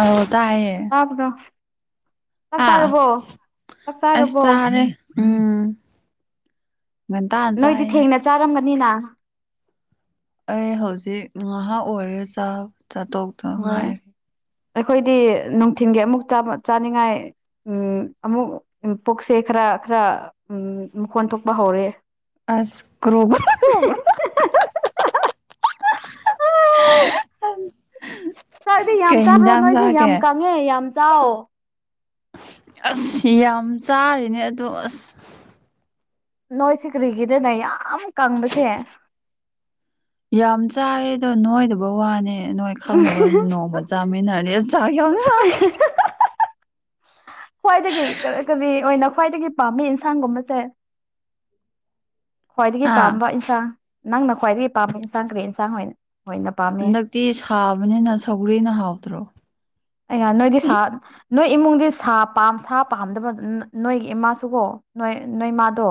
ꯑꯧ ꯇꯥꯏꯌꯦ ꯭ꯔꯣ ꯆꯞ [unintelligible] ꯑꯥ ꯆꯥꯔꯕꯣ ꯆꯥꯛ ꯑꯁ ꯆꯥꯔꯕꯣ ꯆꯥꯔꯦ ꯎꯝ ꯉꯟꯇꯥꯟ ꯅꯣꯏꯗꯤ ꯆꯥꯏꯌꯦꯗ ꯊꯦꯡꯅ ꯆꯥꯔꯝꯒꯅꯤꯅ ꯑꯩ ꯍꯧꯖꯤꯛ ꯉꯥꯏꯍꯥꯛ ꯑꯣꯏꯔꯦ ꯆꯥꯛ ꯆꯥꯊꯣꯛ ꯍꯣꯏ [unintelligible] ꯑꯩꯈꯣꯏꯗꯤ ꯅꯨꯡꯊꯤꯟꯜꯒꯤ ꯑꯃꯨꯛ ꯆꯥꯅꯤꯡꯉꯥꯏ ꯎꯝ ꯑꯃꯨꯛ ꯄꯨꯣꯛꯁꯦ ꯈꯔ ꯈꯔ ꯃꯈꯣꯟ ꯊꯣꯛꯄ ꯍꯧꯔꯦ ꯑꯁ ꯀ꯭ꯔꯣꯕ꯭ꯔꯣꯕ꯭ꯔꯣ [unintelligible] ꯆꯥꯛꯗꯤ ꯌꯥꯝ ꯆꯥꯕ꯭ꯔꯣ ꯌꯦꯟꯖꯥꯡ ꯅꯣꯏꯁꯦ ꯌꯥꯝ ꯆꯥꯒꯦ ꯀꯪꯉꯦ ꯌꯥꯝ ꯆꯥꯎ ꯑꯁ ꯌꯥꯝ ꯆꯥꯔꯤꯅꯦ ꯑꯗꯣ ꯑꯁ ꯅꯣꯏꯁꯦ ꯀ꯭ꯔꯤꯒꯤꯗꯅꯣ ꯌꯥꯝ ꯀꯪꯕꯁꯦ ꯌꯥꯝ ꯆꯥꯏꯌꯦ ꯑꯗꯣ ꯅꯣꯏꯗꯕ ꯋꯥꯅꯦ ꯅꯣꯏ ꯈꯪꯗꯕꯅ ꯅꯣꯡꯃ ꯆꯥꯃꯤꯟꯅꯔꯅꯤ ꯑꯁ ꯆꯥꯛ ꯌꯥꯝ ꯁꯥꯏ ꯈ꯭ꯋꯥꯏꯗꯒꯤ ꯀꯔꯤ ꯀꯔꯤ ꯑꯣꯏꯅ ꯈ꯭ꯋꯥꯏꯗꯒꯤ ꯄꯥꯝꯃꯤ ꯌꯦꯟꯁꯥꯡꯒꯨꯝꯕꯁꯦ ꯈ꯭ꯋꯥꯏꯗꯒꯤ ꯑꯥ ꯄꯥꯝꯕ ꯏꯟꯁꯥꯡ ꯅꯪꯅ ꯈ꯭ꯋꯥꯏꯗꯒꯤ ꯄꯥꯝꯕ ꯏꯟꯁꯥꯡ ꯀꯔꯤ ꯏꯟꯁꯥꯡ ꯑꯣꯏ ꯑꯣꯏꯅ ꯄꯥꯝꯃꯦ ꯍꯟꯗꯛꯇꯤ ꯁꯥꯕꯅꯤꯅ ꯁꯧꯒ꯭ꯔꯤꯅ ꯍꯥꯎꯇ꯭ꯔꯣ ꯑꯩ ꯅꯣꯏꯗꯤ ꯁꯥ ꯎꯝ ꯅꯣꯏ ꯏꯃꯨꯡꯗꯤ ꯁꯥ ꯄꯥ ꯁꯥ ꯄꯥꯝꯗꯕ ꯅꯣꯏꯒꯤ ꯏꯃꯥꯁꯨꯀꯣ ꯅꯣꯏ ꯅꯣꯏꯃꯥꯗꯣ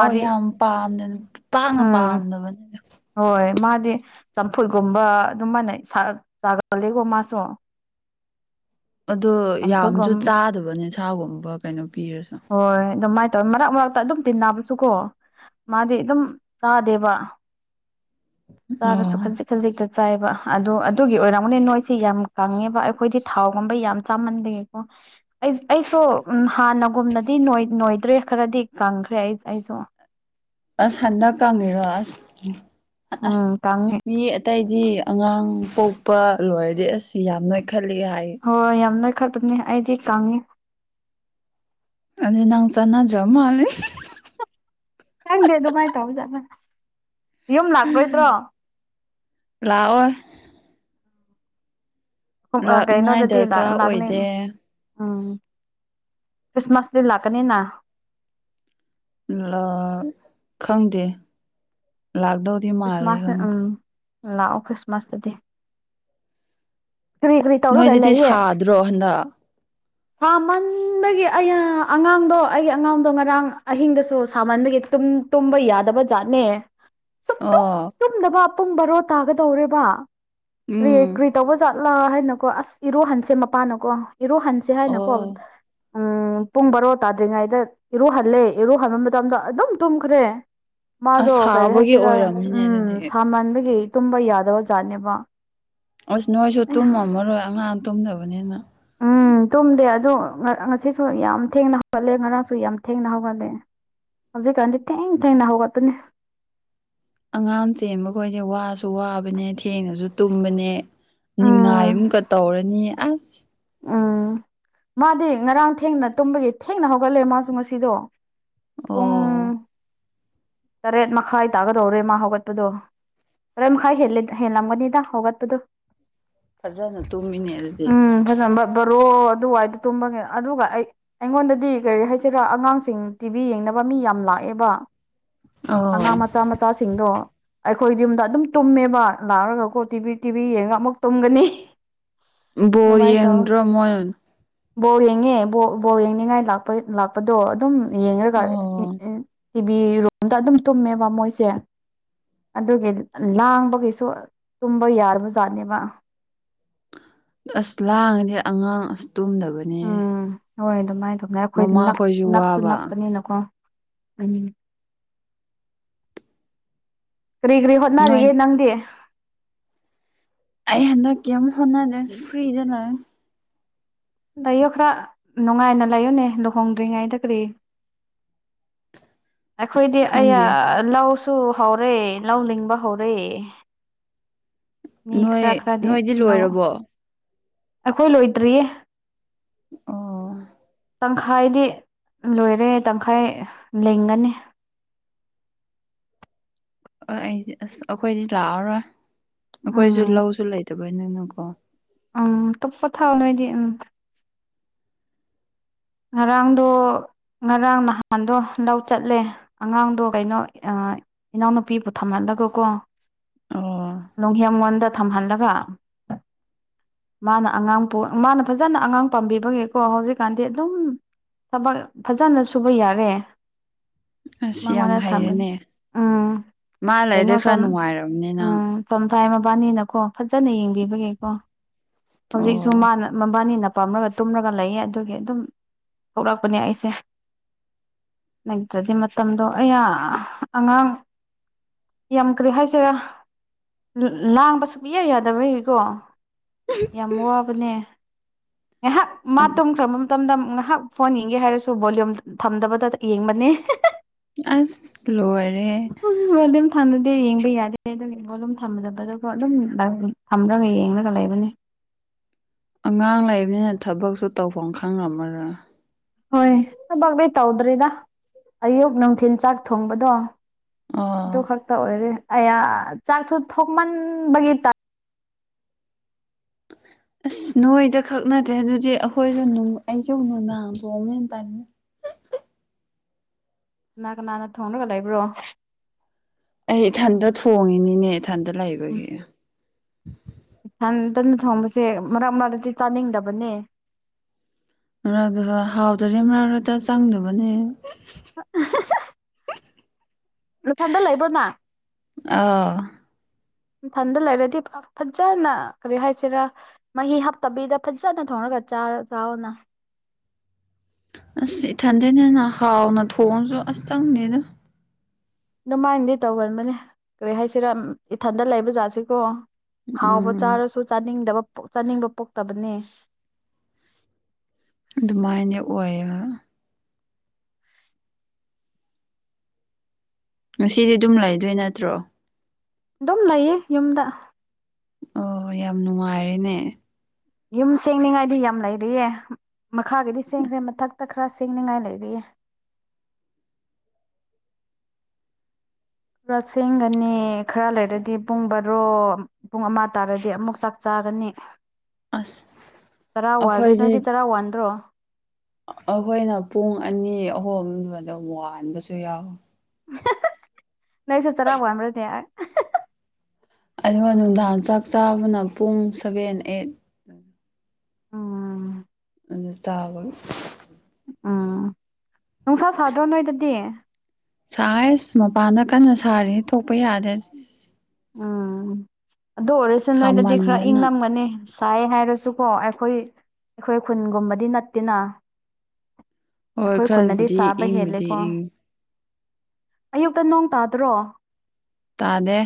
ꯑꯣ ꯌꯥꯝ ꯄꯥꯝꯗꯅ ꯄꯥꯛꯅ ꯎꯝ ꯄꯥꯝꯗꯕꯅꯦꯗ ꯍꯣꯏ ꯃꯥꯗꯤ ꯆꯝꯐꯨꯠꯒꯨꯝꯕ ꯑꯗꯨ ꯃꯥꯟꯅꯩ ꯆꯥꯒꯂꯦꯀꯣ ꯃꯥꯁꯨ ꯑꯗꯣ ꯌꯥꯝꯁꯨ ꯆꯝꯐꯨꯠꯒꯨꯝ ꯆꯥꯗꯕ ꯅꯁꯥꯒꯨꯝꯕ ꯀꯩꯅꯣ ꯄꯤꯔꯁꯨ ꯍꯣꯏ ꯑꯗꯨꯃꯥꯏ ꯃꯔꯛ ꯃꯔꯛꯇ ꯑꯗꯨꯝ ꯇꯤꯟꯅꯕꯁꯨꯀꯣ ꯃꯥꯗꯤ ꯑꯗꯨꯝ ꯆꯥꯗꯦꯕ ꯆꯥꯕꯁꯨ ꯑꯣ ꯈꯖꯤꯛ ꯈꯖꯤꯛꯇ ꯆꯥꯏꯕ ꯑꯗꯨ ꯑꯗꯨꯒꯤ ꯑꯣꯏꯔꯝꯕꯅꯤ ꯅꯣꯏꯁꯤ ꯌꯥꯝ ꯀꯪꯉꯦꯕ ꯑꯩꯈꯣꯏꯗꯤ ꯊꯥꯎꯒꯨꯝꯕ ꯌꯥꯝ ꯆꯥꯃꯟꯂꯦꯀꯣ ꯑꯩ ꯑꯩꯁꯨ ꯍꯥꯟꯅꯒꯨꯝꯅꯗꯤ ꯅꯣꯏꯗ꯭ꯔꯦ ꯈꯔꯗꯤ ꯀꯪꯈ꯭ꯔꯦ ꯑꯩ ꯑꯩꯁꯨ ꯑꯁ ꯍꯟꯗꯛ ꯀꯪꯉꯤꯔꯣ ꯑꯁ ꯎ ꯎꯝ ꯀꯝ ꯃꯤ ꯑꯇꯩꯗꯤ ꯑꯉꯥꯡ ꯄꯣꯛꯄ ꯂꯣꯏꯔꯗꯤ ꯑꯁ ꯌꯥꯝ ꯅꯣꯏ ꯈꯜꯂꯤ ꯍꯥꯏ ꯍꯣꯏ ꯍꯣꯏ ꯌꯥꯝ ꯅꯣꯏꯈꯠꯄꯅꯦ ꯑꯩꯗꯤ ꯀꯪꯉꯦ ꯑꯗꯨ ꯅꯥꯎꯁꯥꯅ ꯃꯦ ꯈꯪꯗꯦ ꯑꯗꯨꯃꯥꯏꯅ ꯇꯧꯖꯠꯅ ꯌꯨꯝ ꯂꯥꯛꯂꯣꯏꯗ꯭ꯔꯣ ꯂꯥꯛꯑꯣ ꯂꯥꯛꯅꯤꯉꯥꯏ ꯀꯩꯅꯣꯗꯗꯤ ꯗꯔꯀꯥꯔ ꯂꯥꯛꯅꯦꯅꯦ ꯑꯣꯏꯗꯦ ꯎꯝ ꯀ꯭ꯔꯤꯁꯃꯁꯗꯤ ꯂꯥꯛꯅꯤꯅ ꯈꯪꯗꯦ ꯂꯥꯛꯗꯧ ꯈ꯭ꯔꯤꯁꯃꯥꯁ ꯎꯝ ꯂꯥꯛꯑꯣ ꯈ꯭ꯔꯤꯁꯃꯥꯁꯇꯗꯤ ꯀꯔꯤ ꯀꯔꯤ ꯇꯧꯔꯒ ꯅꯣꯏꯗꯗꯤ ꯂꯩꯌꯦꯦ ꯁꯥꯗ꯭ꯔꯣ ꯍꯟꯗꯛ ꯁꯥꯃꯟꯕꯒꯤ ꯑ ꯑꯉꯥꯡꯗꯣ ꯑꯩꯒꯤ ꯑꯉꯥꯡꯗꯣ ꯉꯔꯥꯡ ꯑꯍꯤꯡꯗꯁꯨ ꯁꯥꯃꯟꯗꯒꯤ ꯇꯨꯡ ꯇꯨꯝꯕ ꯌꯥꯗꯕ ꯖꯥꯠꯅꯦ ꯁꯨꯛꯇꯨꯝ ꯑꯣ ꯇꯨꯝꯗꯕ ꯄꯨꯡ ꯕꯥꯔꯣ ꯇꯥꯒꯗꯧꯔꯦꯔꯤꯕ ꯀꯔꯤ ꯎꯝ ꯀꯔꯤ ꯇꯧꯕ ꯆꯠꯂ ꯍꯥꯏꯅꯀꯣ ꯑꯁ ꯏꯔꯨꯍꯟꯁꯦ ꯃꯄꯥꯟꯅꯀꯣ ꯏꯔꯨꯍꯟꯁꯦ ꯍꯥꯏꯅꯀꯣ ꯑꯣ ꯎꯝ ꯄꯨꯡ ꯕꯥꯔꯣ ꯇꯥꯗ꯭ꯔꯤꯉꯩꯗ ꯏꯔꯨꯍꯜꯂꯦ ꯏꯔꯨꯍꯟꯕ ꯃꯇꯝꯗ ꯑꯗꯨꯝ ꯇꯨꯝꯈ꯭ꯔꯦ ꯑꯁ ꯁꯥꯕꯒꯤ ꯑꯣꯏꯔꯝꯃꯤꯅꯦ ꯑꯗꯨꯗꯤ ꯃꯟꯕꯒꯤ ꯇꯨꯝꯕ ꯌꯥꯗꯕ ꯑꯣꯖꯥꯠꯅꯦꯕ ꯑꯁ ꯅꯣꯏꯁꯨ ꯇꯨꯝꯃꯝꯃꯔꯣꯏ ꯑꯉꯥꯡ ꯇꯨꯝꯗꯕꯅꯤꯅ ꯑꯥ ꯇꯨꯝꯗꯦ ꯑꯗꯨꯗ ꯉꯁꯤꯁꯨ ꯌꯥꯝ ꯊꯦꯡꯅ ꯍꯧꯒꯠꯂꯦ ꯉꯔꯥꯡꯁꯨ ꯌꯥꯝ ꯊꯦꯡꯅ ꯍꯧꯒꯠꯂꯦ ꯍꯧꯖꯤꯛꯀꯥꯟꯗꯤ ꯊꯦꯡ ꯊꯦꯡꯅ ꯍꯧꯒꯠꯄꯅꯤ ꯑꯉꯥꯡ ꯆꯦꯟꯕ ꯈꯣꯏꯁꯦ ꯋꯥꯁꯨ ꯋꯥꯕꯅꯦ ꯊꯦꯡꯉꯁꯨ ꯇꯨꯝꯕꯅꯦ ꯅꯤꯡꯉꯥꯏ ꯎꯝ ꯑꯃꯨꯝꯒ ꯇꯧꯔꯅꯤ ꯑꯁ ꯎꯝ ꯃꯥꯗꯤ ꯉꯔꯥꯡ ꯊꯦꯡꯅ ꯇꯨꯝꯕꯒꯤ ꯊꯦꯡꯅ ꯍꯧꯒꯠꯂꯦ ꯃꯥꯁꯨ ꯉꯁꯤꯗꯣ ꯄꯨꯡ ꯑꯣ ꯇꯔꯦꯠ ꯃꯈꯥꯏ ꯇꯥꯒꯗꯧꯔꯦ ꯃꯥ ꯍꯧꯒꯠꯄꯗꯣ ꯈꯔꯦꯟ ꯃꯈꯥꯏ ꯍꯦꯜꯂꯝꯒꯅꯤꯗ ꯍꯧꯒꯠꯄꯗꯨꯣ ꯐꯖꯅ ꯇꯨꯝꯃꯤꯅꯤ ꯑꯗꯨꯗꯤ ꯐꯖꯝꯕ ꯕꯔꯣ ꯑꯗꯨꯋꯥꯏꯗ ꯇꯨꯝꯕꯒꯤ ꯑꯗꯨꯒ ꯑꯩ ꯑꯩꯉꯣꯟꯗꯗꯤ ꯀꯔꯤ ꯍꯥꯏꯁꯤꯔꯥ ꯑꯉꯥꯡꯁꯤꯡ ꯇꯤꯚꯤ ꯌꯦꯡꯅꯕ ꯃꯤ ꯌꯥꯝ ꯂꯥꯛꯑꯦꯕ ꯑꯣ ꯑꯉꯥꯡ ꯃꯆꯥ ꯃꯆꯥꯁꯤꯡꯗꯣ ꯑꯩꯈꯣꯏ ꯌꯨꯝꯗ ꯑꯗꯨꯝ ꯇꯨꯝꯃꯦꯕ ꯂꯥꯛꯔꯒꯀꯣ ꯇꯤꯚꯤ ꯇꯤꯚꯤ ꯌꯦꯡꯉꯒ ꯑꯃꯨꯛ ꯇꯨꯝꯒꯅꯤ ꯕꯣ ꯑꯗꯨꯃꯥꯏꯅ ꯇꯧ ꯌꯦꯡꯗ꯭ꯔꯣ ꯃꯣꯏꯅ ꯕꯣꯜ ꯌꯦꯡꯉꯦ ꯕꯣꯜ ꯌꯦꯡꯅꯤꯡꯉꯥꯏꯥꯛꯄ ꯂꯥꯛꯄꯗꯣ ꯑꯗꯨꯝ ꯌꯦꯡꯉꯒ ꯑꯣ ꯇꯤꯚꯤ ꯔꯨꯝꯗ ꯑꯗꯨꯝ ꯇꯨꯝꯃꯦꯕ ꯃꯣꯏꯁꯦ ꯑꯗꯨꯒꯤ ꯂꯥꯡꯕꯒꯤꯁꯨ ꯇꯨꯝꯕ ꯌꯥꯔꯕ ꯖꯥꯠꯅꯦꯕ ꯑꯁ ꯂꯥꯡꯉꯗꯤ ꯑꯉꯥꯡ ꯑꯁ ꯇꯨꯝꯗꯕꯅꯦ ꯎꯝ ꯍꯣꯏ ꯑꯗꯨꯃꯥꯏꯅ ꯇꯧꯅ ꯑꯩꯈꯣꯏꯗꯤ ꯃꯃꯥꯈꯣꯏꯁꯨ ꯅꯛꯁꯨ ꯋꯥꯕ ꯅꯛꯄꯅꯤꯅꯀꯣ ꯀꯔꯤ ꯀꯔꯤ ꯅꯣꯏ ꯍꯣꯠꯅꯔꯤꯒꯦ ꯅꯪꯗꯤ ꯑꯩ ꯍꯟꯗꯛꯀꯤ ꯌꯥꯝ ꯍꯣꯠꯅꯖꯁꯨ ꯐ꯭ꯔꯤꯗ ꯂꯥꯛꯦ ꯂꯩꯌꯣ ꯈꯔ ꯅꯨꯡꯉꯥꯏꯅ ꯂꯩꯌꯣꯅꯦ ꯂꯨꯍꯣꯡꯗ꯭ꯔꯤꯉꯩꯗ ꯀꯔꯤ [inaudible] ꯑꯁ ꯑꯩꯈꯣꯏꯗꯤ ꯑ ꯈꯪꯗꯦ ꯂꯧꯁꯨ ꯍꯧꯔꯦ ꯂꯧ ꯂꯤꯡꯕ ꯍꯧꯔꯦ ꯃꯤ ꯅꯣꯏ ꯈꯔ ꯈꯔꯗꯤ ꯅꯣꯏꯗꯤ ꯂ ꯂꯣꯏꯔꯕꯣ ꯑꯩꯈꯣꯏ ꯂꯣꯏꯗ꯭ꯔꯤꯌꯦ ꯑꯣ ꯇꯪꯈꯥꯏꯗꯤ ꯂꯣꯏꯔꯦ ꯇꯪꯈꯥꯏ ꯂꯦꯡꯒꯅꯤ ꯑꯩꯗꯤ ꯑꯁ ꯑꯩꯈꯣꯏꯗꯤ ꯂꯥꯛꯑꯔꯣꯏ ꯑꯩꯈꯣꯏꯁꯨ ꯎꯝ ꯂꯧꯁꯨ ꯂꯩꯇꯕꯩ ꯅꯪꯅ ꯀꯣ ꯎꯝ ꯇꯞ ꯄꯊ ꯅꯣꯏꯗꯤ ꯎꯝ ꯉꯔꯥꯡꯗ ꯉꯔꯥꯡ ꯅꯍꯥꯟꯗꯣ ꯂꯧ ꯆꯠꯂꯦ ꯑꯉꯥꯡꯗꯣ ꯀꯩꯅꯣ ꯏꯅꯥꯎꯅꯨꯄꯤꯕꯨ ꯊꯝꯍꯜꯂꯒꯀꯣ ꯑꯣ ꯅꯨꯡꯍꯦꯝꯉꯣꯟꯗ ꯊꯝꯍꯜꯂꯒ ꯃꯥꯅ ꯑꯉꯥꯡ ꯃꯥꯅ ꯐꯖꯅ ꯑꯉꯥꯡ ꯄꯥꯝꯕꯤꯕꯒꯤꯀꯣ ꯍꯧꯖꯤꯛꯀꯥꯟꯗꯤ ꯑꯗꯨꯝ ꯊꯕꯛ ꯐꯖꯅ ꯁꯨꯕ ꯌꯥꯔꯦ ꯑꯁ ꯌꯥꯝ ꯃꯉꯣꯟꯗ ꯊꯝꯝꯕꯅꯤ ꯍꯩꯔꯦꯅꯦ ꯎꯝ ꯃꯥ ꯂꯩꯔꯗꯤ ꯀꯩꯅꯣ ꯆ ꯈꯔ ꯅꯨꯡꯉꯥꯏꯔꯕꯅꯤꯅ ꯎꯝ ꯆꯝꯊ꯭ꯔꯥꯏ ꯃꯕꯥꯅꯤꯅꯀꯣ ꯐꯖꯅ ꯌꯦꯡꯕꯤꯕꯒꯦꯀꯣ ꯑꯣ ꯍꯧꯖꯤꯛꯁꯨ ꯃꯥꯅ ꯃꯕꯥꯅꯤꯅ ꯄꯥꯝꯂꯒ ꯇꯨꯝꯔꯒ ꯂꯩꯌꯦ ꯑꯗꯨꯒꯤ ꯑꯗꯨꯝ ꯊꯣꯛꯂꯛꯄꯅꯦ ꯑꯩꯁꯦ ꯂꯩꯇ꯭ꯔꯗꯤ ꯃꯇꯝꯗꯣ ꯑꯌꯥ ꯑꯉꯥꯡ ꯌꯥꯝꯈ꯭ꯔꯦ ꯍꯥꯏꯁꯤꯔꯥ ꯂꯥꯡꯕ ꯁꯨꯌꯥ ꯌꯥꯗꯕꯒꯤꯀꯣ ꯌꯥꯝ ꯋꯥꯕꯅꯦ ꯉꯥꯏꯍꯥꯛ ꯃꯥ ꯇꯨꯝꯈ꯭ꯔꯕ ꯃꯇꯝꯗ ꯉꯥꯏꯍꯥꯛ ꯐꯣꯟ ꯌꯦꯡꯒꯦ ꯍꯥꯏꯔꯁꯨ ꯚꯣꯂꯌꯨꯝ ꯊꯝꯗꯕꯗ ꯌꯦꯡꯕꯅꯤ ꯑꯁ ꯂꯣꯏꯔꯦꯍꯦ꯫ ꯂꯨꯝ ꯊꯝꯅꯗꯦ ꯌꯦꯡꯕ ꯌꯥꯗꯦ ꯑꯗꯨ ꯣꯂꯨꯝ ꯊꯝꯗꯕꯗꯨꯣ ꯑꯗꯨꯝ ꯊꯝꯂꯒ ꯌꯦꯡꯂꯒ ꯂꯩꯕꯅꯦ꯫ ꯑꯉꯥꯡ ꯂꯩꯕꯅꯤꯅ ꯊꯕꯛꯁꯨ ꯇꯧꯐꯝ ꯈꯪꯝꯃꯔꯥ ꯍꯣꯏ ꯊꯕꯛꯗꯤ ꯇꯧꯗ꯭ꯔꯔꯤꯗ ꯑꯌꯨꯛ ꯅꯨꯡꯊꯤꯜ ꯆꯥꯛ ꯊꯣꯡꯕꯗꯣ꯫ ꯑꯗꯨ ꯑꯣ ꯈꯛꯇ ꯑꯣꯏꯔꯦ ꯑꯌꯥ ꯆꯥꯛꯁꯨ ꯊꯣꯡꯃꯟꯕꯒꯤ꯫ ꯑꯁ ꯅꯣꯏꯗ ꯈꯛ ꯅꯠꯇꯦ ꯑꯗꯨꯗꯤ ꯑꯩꯈꯣꯏꯁꯨ ꯑꯩꯁꯨ ꯅꯨꯡꯅꯥꯡꯕꯣꯛꯝꯅꯦꯅ ꯄꯥꯅꯤꯡ ꯀꯅꯥ ꯀꯅꯥꯟꯅ ꯊꯣꯡꯔꯒ ꯂꯩꯕ꯭ꯔꯣ꯫ ꯑꯩ ꯏꯊꯟꯇ ꯊꯣꯡꯉꯤꯅꯤꯅꯦ ꯏꯊꯟꯇ ꯂꯩꯕꯒꯤ꯫ ꯏꯊꯟꯇꯅ ꯊꯣꯡꯕꯁꯦ ꯃꯔꯛ ꯃꯔꯛꯇꯗꯤ ꯆꯥꯅꯤꯡꯗꯕꯅꯦ꯫ ꯑꯗꯨꯒ ꯍꯥꯎꯗꯔ ꯃꯔꯥꯔꯗ ꯆꯪꯗꯕꯅꯦ꯫ [unintelligible] ꯅꯊꯟꯗ ꯂꯩꯕ꯭ꯔꯣ ꯅ ꯑꯥꯎ ꯏꯊꯟꯗ ꯂꯩꯔꯗꯤ ꯐꯖꯅ ꯀꯔꯤ ꯍꯥꯏꯁꯤꯔꯥ꯫ ꯃꯍꯤ ꯍꯥꯞꯇꯕꯤꯗ ꯐꯖꯅ ꯊꯣꯡꯔꯒ ꯆꯥꯔ ꯆꯥꯎꯅ꯫ ꯑꯁ ꯏꯊꯟꯗꯅ ꯍꯥꯎꯅ ꯊꯣꯡꯉꯁꯨ ꯑꯁ ꯆꯪꯗꯦꯗ ꯑꯗꯨꯃꯥꯏꯅꯗꯤ ꯇꯧꯒꯟꯕꯅꯦ ꯀꯔꯤ ꯍꯥꯏꯁꯤꯔꯥ ꯏꯊꯟꯗ ꯂꯩꯕꯖꯥꯁꯤꯀꯣ꯫ ꯍꯥꯎꯕ ꯎꯝ ꯆꯥꯔꯁꯨ ꯆꯥꯅꯤꯡꯗꯕ ꯆꯥꯅꯤꯡꯕ ꯄꯣꯛꯇꯕꯅꯦ꯫ ꯑꯗꯨꯃꯥꯏꯅ ꯑꯣꯏꯕ꯫ ꯉꯁꯤꯗꯤ ꯑꯗꯨꯝ ꯂꯩꯗꯣꯏ ꯅꯠꯇ꯭ꯔꯣ꯫ ꯑꯗꯨꯝ ꯂꯩꯌꯦ ꯌꯨꯝꯗ꯫ ꯑꯣ ꯌꯥꯝ ꯅꯨꯡꯉꯥꯏꯔꯦꯅꯦ꯫ ꯌꯨꯝ ꯁꯦꯡꯅꯤꯡꯉꯥꯏꯗꯤ ꯌꯥꯝ ꯂꯩꯔꯤꯌꯦ ꯃꯈꯥꯒꯤꯗꯤ ꯁꯦꯡꯈ꯭ꯔꯦ ꯃꯊꯛꯇ ꯈꯔ ꯁꯦꯡꯅꯤꯡꯉꯥꯏ ꯂꯩꯔꯤꯌꯦ꯫ ꯄꯨꯔꯥ ꯁꯦꯝꯦꯡꯒꯅꯤ ꯈꯔ ꯂꯩꯔꯗꯤ ꯄꯨꯡ ꯕꯥꯔꯣ꯫ ꯄꯨꯡ ꯑꯃ ꯇꯥꯔꯒꯗꯤ ꯑꯃꯨꯛ ꯆꯥꯛ ꯆꯥꯒꯅꯤ꯫ ꯑꯁ ꯆꯔꯥ ꯋꯥꯜꯂꯦ ꯑꯩꯈꯣꯏꯁꯦ ꯅꯣꯏꯗꯤ ꯆꯔꯥ ꯋꯥꯟꯗ꯭ꯔꯣ꯫ ꯑꯩꯈꯣꯏꯅ ꯄꯨꯡ ꯑꯅꯤ ꯑꯍꯨꯝꯗꯨꯗ ꯋꯥꯕꯁꯨ ꯌꯥꯎꯋꯤ꯫ ꯅꯪꯁꯨ ꯆꯥꯔꯎ ꯋꯥꯟꯕꯔꯗꯨꯗꯤ꯫ ꯑꯗꯨꯒ ꯅꯨꯡꯗꯥꯡ ꯆꯥꯛ ꯆꯥꯕꯅ ꯄꯨꯡ ꯁꯚꯦꯟ ꯑꯩꯠ꯫ ꯎꯝ꯫ ꯑꯗꯨ ꯆꯥꯕ꯫ ꯎꯝ ꯅꯨꯡꯁꯥ ꯁꯥꯗ꯭ꯔꯣ ꯅꯣꯏꯗꯗꯤ꯫ ꯁꯥꯏꯁ ꯃꯄꯥꯟꯗ ꯀꯟꯅ ꯁꯥꯔꯤ ꯊꯣꯛꯄ ꯌꯥꯗ꯭ꯔꯦ꯫ ꯎꯝ ꯑꯗꯨ ꯑꯣꯏꯔꯁꯤ ꯅꯣꯏꯗꯗꯤ ꯈꯔ ꯁꯥꯃꯟꯗꯅ ꯏꯪꯉꯝꯒꯅꯤ꯫ ꯁꯥꯏ ꯍꯥꯏꯔꯁꯨꯀꯣ ꯑꯩꯈꯣꯏ ꯑꯩꯈꯣꯏ ꯈꯨꯟꯒꯨꯝꯕꯗꯤ ꯅꯠꯇꯦꯅ꯫ ꯍꯣꯏ ꯑꯩꯈꯣꯏ ꯈꯨꯅꯗꯤ ꯈꯔꯕꯨꯗꯤ ꯆꯥꯕ ꯏꯪꯕꯨꯗꯤ ꯍꯦꯜꯂꯦꯀꯣ꯫ ꯏꯪ ꯑꯌꯨꯛꯇ ꯅꯣꯡ ꯇꯥꯗ꯭ꯔꯣ꯫ ꯇꯥꯗꯦ꯫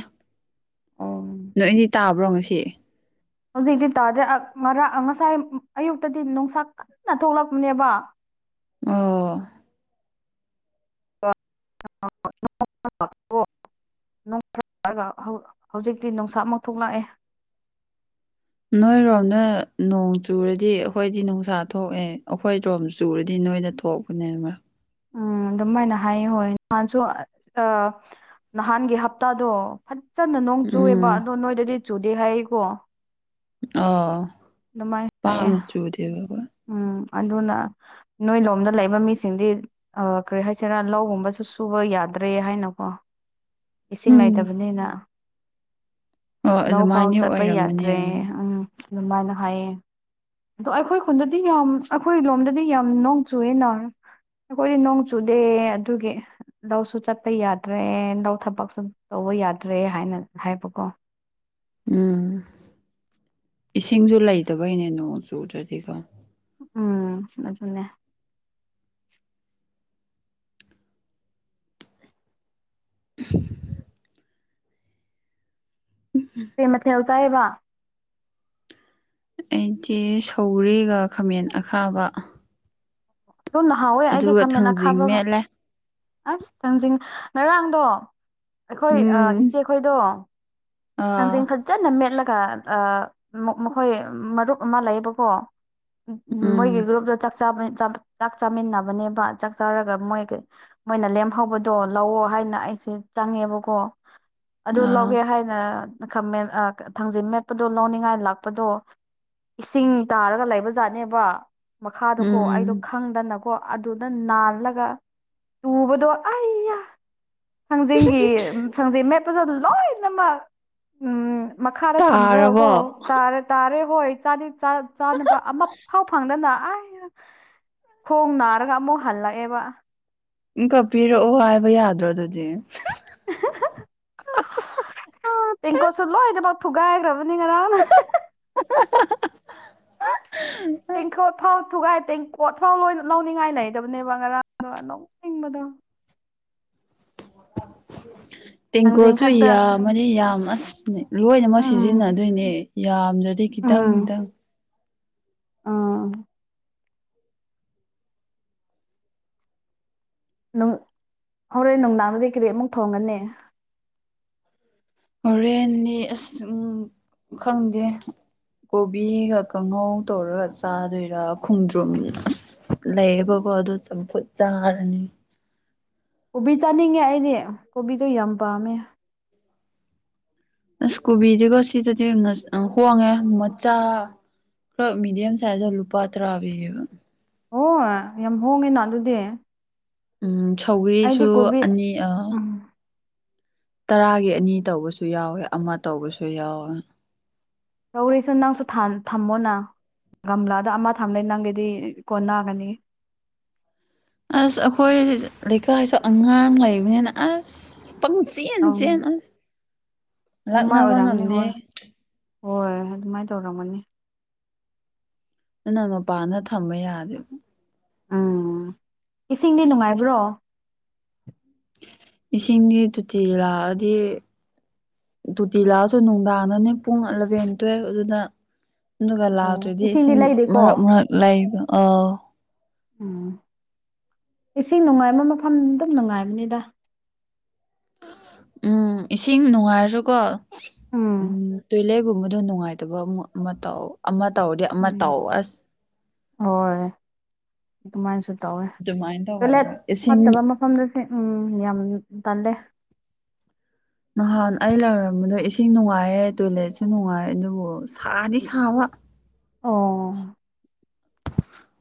ꯑꯣ ꯅꯣꯏꯗꯤ ꯇꯥꯕ꯭ꯔꯣ ꯉꯁꯤ꯫ ꯍꯧꯖꯤꯛꯇꯤ ꯇꯥꯗ꯭ꯔꯦ ꯃꯔ ꯉꯁꯥꯏ ꯑꯌꯨꯛꯇꯗꯤ ꯅꯨꯡꯁꯥꯛ ꯀꯟꯅ ꯊꯣꯛꯂꯛꯄꯅꯦꯕ꯫ ꯑꯣ꯫ [inaudible] ꯍꯧꯖꯤꯛꯇꯤ ꯅꯨꯡꯁꯥꯞ ꯑꯃꯥꯎ ꯊꯣꯛꯂꯛꯑꯦ꯫ ꯅꯣꯏꯔꯣꯝꯅ ꯅꯣꯡ ꯆꯨꯔꯗꯤ ꯑꯩꯈꯣꯏꯗꯤ ꯅꯨꯡꯁꯥ ꯊꯣꯛꯑꯦ ꯑꯩꯈꯣꯏꯔꯣꯝ ꯆꯨꯔꯗꯤ ꯅꯣꯏꯗ ꯊꯣꯛꯄ ꯈꯨꯟꯅ ꯑꯃ ꯑꯗꯨꯝꯥꯏꯅ ꯍꯥꯏꯌꯦ ꯍꯣꯏ ꯅꯍꯥꯟꯁꯨ ꯅꯍꯥꯟꯒꯤ ꯍꯞꯇꯥꯗꯣ꯫ ꯐꯖꯟꯅ ꯅꯣꯡ ꯆꯨꯑꯦꯕ ꯎꯝ ꯑꯗꯣ ꯅꯣꯏꯗꯗꯤ ꯆꯨꯗꯦ ꯍꯥꯏꯔꯤꯀꯣ꯫ ꯑꯣ꯫ ꯑꯗꯨꯃꯥꯏꯅ ꯍꯥꯏꯌꯦ ꯄꯥꯛꯅ ꯆꯨꯗꯦꯕ ꯑꯩꯈꯣꯏ ꯎꯝ ꯑꯗꯨꯅ꯫ ꯅꯣꯏ ꯂꯣꯝꯗ ꯂꯩꯕ ꯃꯤꯁꯤꯡꯗꯤ꯫ ꯑ ꯀꯔꯤ ꯍꯥꯏꯁꯤꯔꯥ ꯂꯧꯒꯨꯝꯕꯁꯨ ꯁꯨꯕ ꯌꯥꯗ꯭ꯔꯦ ꯍꯥꯏꯅꯀꯣ꯫ ꯏꯁꯤꯡ ꯎꯝ ꯂꯩꯇꯕꯅꯤꯅ ꯑꯣ ꯂꯧ ꯐꯥꯎ ꯑꯗꯨꯃꯥꯏꯅꯗꯤ ꯆꯠꯄ ꯑꯣꯏꯔꯝꯃꯅꯤ ꯌꯥꯗ꯭ꯔꯦ ꯎꯝ ꯑꯗꯨꯃꯥꯏꯅ ꯍꯥꯏꯌꯦ ꯑꯗꯣ ꯑꯩꯈꯣꯏ ꯈꯨꯟꯗꯗꯤ ꯌꯥꯝ ꯑꯩꯈꯣꯏ ꯂꯣꯝꯗꯗꯤ ꯌꯥꯝ ꯅꯣꯡ ꯆꯨꯑꯦ ꯅꯥꯔ ꯑꯩꯈꯣꯏꯗꯤ ꯅꯣꯡ ꯆꯨꯗꯦ ꯑꯗꯨꯒꯤ ꯂꯧꯁꯨ ꯆꯠꯄ ꯌꯥꯗ꯭ꯔꯦ ꯂꯧ ꯊꯕꯛꯁꯨ ꯇꯧꯕ ꯌꯥꯗ꯭ꯔꯦ ꯍꯥꯏꯅ ꯍꯥꯏꯕꯀꯣ ꯎꯝ ꯏꯁꯤꯡꯁꯨ ꯂꯩꯇꯕꯩꯅꯦ ꯅꯣꯡ ꯆꯨꯗ꯭ꯔꯗꯤꯀꯣ ꯎꯝ ꯑꯗꯨꯅꯦ ꯀꯣꯏ ꯃꯊꯦꯜ ꯆꯥꯏꯕ ꯑꯩꯗꯤ ꯁꯧꯒ꯭ꯔꯤꯒ ꯈꯥꯃꯦꯟ ꯑꯈꯥꯕ ꯗꯨꯝ ꯍꯥꯎꯋꯦ ꯑꯩꯗꯤ ꯑꯗꯨꯒ ꯈꯥꯃꯦꯟ ꯊꯥꯡꯖꯤꯡ ꯑꯈꯥꯕꯒ ꯃꯦꯠꯂꯦ ꯑꯁ ꯊꯥꯡꯖꯤꯡ ꯉꯔꯥꯡꯗꯣ ꯑꯩꯈꯣꯏ ꯎꯝ ꯏꯆꯦꯈꯣꯏꯗꯣ ꯑꯥ ꯊꯥꯡꯖꯤꯡ ꯐꯖꯅ ꯃꯦꯠꯂꯒ ꯃꯈꯣꯏ ꯃꯔꯨꯞ ꯑꯃ ꯂꯩꯌꯦꯕꯀꯣ ꯎꯝ ꯃꯣꯏꯒꯤ ꯒ꯭ꯔꯨꯞꯇ ꯆꯥꯛ ꯆꯥꯛ ꯆꯥꯃꯤꯟꯅꯕꯅꯦꯕ ꯆꯥꯛ ꯆꯥꯔꯒ ꯃꯣꯏꯒ ꯃꯣꯏꯅ ꯂꯦꯝꯍꯧꯕꯗꯣ ꯂꯧꯑꯣ ꯍꯥꯏꯅ ꯑꯩꯁꯦ ꯆꯪꯉꯦꯕꯀꯣ ꯑꯗꯨ ꯑꯥ ꯂꯧꯒꯦ ꯍꯥꯏꯅ ꯈ ꯊꯥꯡꯖꯤꯟ ꯃꯦꯠꯄꯗꯣ ꯂꯧꯅꯤꯡꯉꯥꯏ ꯂꯥꯛꯄꯗꯣ ꯏꯁꯤꯡ ꯇꯥꯔꯒ ꯂꯩꯕꯖꯥꯠꯅꯦꯕ ꯃꯈꯥꯗꯀꯣ ꯎꯝ ꯑꯩꯗꯣ ꯈꯪꯗꯅ ꯀꯣ ꯑꯗꯨꯗ ꯅꯥꯜꯂꯒ ꯇꯨꯕꯗꯣ ꯑꯩ ꯊꯥꯡꯖꯤꯡꯒꯤ ꯊꯥꯡꯖꯤꯡ ꯃꯦꯠꯄꯁꯨ ꯑꯗꯨ ꯂꯣꯏꯅꯃꯛ ꯎꯝ ꯃꯈꯥꯗ ꯇꯥꯔꯕꯣ ꯊꯝꯈ꯭ꯔꯦꯕꯀꫭ ꯇꯥꯔꯦ ꯇꯥꯔꯦꯕꯣ ꯑꯩ ꯆꯥꯅꯤ ꯆꯥꯅꯕ ꯑꯃ ꯐꯥꯎ ꯐꯪꯗꯅ ꯑ ꯈꯣꯡ ꯅꯥꯔꯒ ꯑꯃꯨꯛ ꯍꯜꯂꯛꯑꯦꯕ ꯏꯀ ꯄꯤꯔꯛꯑꯣ ꯍꯥꯏꯕ ꯌꯥꯗ꯭ꯔꯣ ꯑꯗꯨꯗꯤ ꯇꯦꯡꯀꯣꯠꯁꯨ ꯂꯣꯏꯗꯐꯥꯎ ꯊꯨꯒꯥꯏꯈ꯭ꯔꯕꯅꯤ ꯉꯔꯥꯡꯅ [unintelligible] ꯐꯧ ꯊꯨꯒꯥꯏ ꯇꯦꯡꯀꯣ ꯐꯧ ꯂꯣꯏ ꯅ ꯂꯧꯅꯤꯡꯉꯥꯏꯅꯩꯗꯕꯅꯦꯕ ꯉꯔꯥꯡꯗꯣ ꯅꯣꯛꯅꯤꯡꯕꯗꯣ ꯊꯥꯡꯖꯤꯡ ꯈꯛꯇ ꯇꯀꯣꯁꯨꯨꯌꯥꯝ ꯌꯥꯝ ꯑꯁꯅꯤ ꯂꯣꯏꯅꯃꯛ ꯎꯝ ꯁꯤꯖꯤꯟꯅꯗꯣꯏꯅꯦ ꯌꯥꯝꯗ꯭ꯔꯗꯤ ꯈꯤꯇꯪ ꯈꯤꯇꯪ ꯑꯥ ꯍꯣꯔꯣꯜ ꯅꯨꯡꯗꯥꯡꯗꯗꯤ ꯀꯔꯤꯃꯨꯛ ꯊꯣꯡꯒꯅꯤ ꯍꯣꯔꯦꯟꯅꯤ ꯑꯁ ꯈꯪꯗꯦ ꯀꯣꯕꯤꯒ ꯀꯥꯡꯉꯧ ꯇꯧꯔꯒ ꯆꯥꯗꯣꯏꯔꯥ ꯈꯣꯡꯗ꯭ꯔꯨꯝ ꯑꯁ ꯂꯩꯌꯦꯕꯀꯣ ꯑꯗꯨ ꯆꯝꯐꯨꯠ ꯆꯥꯔꯅꯤ ꯀꯣꯕꯤ ꯆꯥꯅꯤꯡꯉꯦ ꯑꯩꯗꯤ ꯀꯣꯕꯤꯗꯣ ꯌꯥꯝ ꯄꯥꯝꯃꯦ ꯑꯁ ꯀꯣꯕꯤꯗꯤꯒꯣ ꯁꯤꯗꯗꯤ ꯍꯣꯡꯉꯦ ꯃꯆꯥ ꯈꯔ ꯃꯦꯗꯤꯌꯝ ꯁꯥꯏꯖꯇ ꯂꯨꯄꯥ ꯇꯔꯥ ꯄꯤꯌꯦꯕ ꯑꯣ ꯌꯥꯝ ꯍꯣꯡꯉꯦꯅ ꯑꯗꯨꯗꯤ ꯎ ꯑꯩꯗꯤ ꯁꯧꯒ꯭ꯔꯤꯁꯨ ꯀꯣꯕꯤ ꯑꯅꯤ ꯎꯝ ꯇꯔꯥꯒꯤ ꯑꯅꯤ ꯇꯧꯕꯁꯨ ꯌꯥꯎꯋꯦ ꯑꯃ ꯇꯧꯕꯁꯨ ꯌꯥꯎꯋꯦ ꯇꯧꯔꯤꯁꯦ ꯅꯪꯁꯨ ꯊꯝꯃꯣꯅ ꯒꯝꯂꯥꯗ ꯑꯃ ꯊꯝꯂꯦ ꯅꯪꯒꯤꯗꯤ ꯀꯣꯟꯅꯒꯅꯤ ꯑꯁ ꯑꯩꯈꯣꯏ ꯂꯩꯀꯥꯏꯁꯨ ꯑꯉꯥꯡ ꯂꯩꯕꯅꯤꯅ ꯑꯁ ꯄꯪ ꯆꯦꯟ ꯑꯪ ꯆꯦꯟ ꯑꯁ ꯑꯗꯨꯃꯥꯏ ꯂꯥꯛꯅꯕ ꯑꯣꯏꯔꯝꯅꯤ ꯉꯝꯗꯦ ꯍꯣꯏ ꯍꯣꯏ ꯑꯗꯨꯃꯥꯏꯅ ꯇꯧꯔꯝꯒꯅꯤ ꯅ ꯃꯄꯥꯟꯗ ꯊꯝꯕ ꯌꯥꯗꯦꯕ ꯎꯝ ꯏꯁꯤꯡꯗꯤ ꯅꯨꯡꯉꯥꯏꯕ꯭ꯔꯣ ꯏꯁꯤꯡꯁꯤ ꯇꯣꯇꯤ ꯂꯥꯛꯑꯗꯤ ꯇꯨꯇꯤ ꯂꯥꯛꯑꯁꯨ ꯅꯨꯡꯗꯥꯡꯗꯅꯦ ꯄꯨꯡ ꯑꯦꯂꯚꯦꯟ ꯇꯨꯋꯦꯜꯕ ꯑꯗꯨꯗ ꯑꯗꯨꯒ ꯑꯣ ꯂꯥꯛꯇ꯭ꯔꯗꯤ ꯏꯁꯤꯡꯗꯤ ꯏꯁꯤꯡ ꯂꯩꯗꯦꯀꯣ ꯃꯔꯛ ꯃꯔꯛ ꯂꯩꯕ ꯑ ꯎꯝ ꯏꯁꯤꯡ ꯅꯨꯡꯉꯥꯏꯕ ꯃꯐꯝ ꯑꯗꯨꯝ ꯅꯨꯡꯉꯥꯏꯕꯅꯤꯗ ꯎꯝ ꯏꯁꯤꯡ ꯅꯨꯡꯉꯥꯏꯔꯁꯨꯀꯣ ꯎꯝ ꯇꯣꯏꯂꯦꯠꯒꯨꯝꯕꯗꯣ ꯅꯨꯡꯉꯥꯏꯇ ꯇꯕ ꯑꯃꯨꯛ ꯑꯃ ꯇꯥꯎ ꯑꯃ ꯇꯧꯔꯗꯤ ꯑꯃ ꯎꯝ ꯇꯥꯎ ꯑꯁ ꯍꯣꯏ ꯑꯗꯨꯃꯥꯏꯅꯁꯨ ꯇꯧꯋꯦ ꯑꯗꯨꯃꯥꯏꯅ ꯇꯣꯏꯂꯦꯠ ꯇꯧꯒꯜꯂꯦꯕ ꯏꯁꯤꯡ ꯐꯠꯇꯕ ꯑꯃ ꯃꯐꯝꯗꯁꯦ ꯎꯝ ꯌꯥꯝ ꯇꯟꯗꯦ ꯅꯍꯥꯟ ꯑꯩ ꯂꯩꯔꯝꯕꯗꯣ ꯏꯁꯤꯡ ꯅꯨꯡꯉꯥꯏꯌꯦ ꯇꯣꯏꯂꯦꯠꯁꯨ ꯅꯨꯡꯉꯥꯏ ꯑꯗꯨꯕꯨ ꯁꯥꯗꯤ ꯁꯥꯕ ꯑꯣ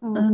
ꯑꯝ ꯑꯗꯨꯅ